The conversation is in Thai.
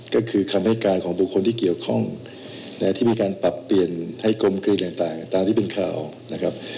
ก็คือคำให้การของบุคคลที่เกี่ยวข้องที่มีการปรับเปลี่ยนให้กลมกลืนต่างตามที่เป็นข่าวนะครับ